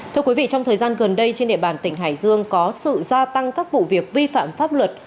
thưa quý vị trong thời gian gần đây trên địa bàn tỉnh hải dương có sự gia tăng các vụ việc vi phạm pháp luật